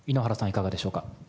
いかがでしょうか？